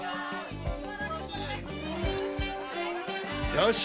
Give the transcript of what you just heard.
よし。